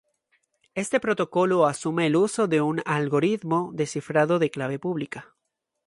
Este protocolo asume el uso de un algoritmo de cifrado de clave pública.